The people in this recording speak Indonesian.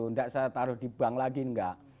enggak saya taruh di bank lagi enggak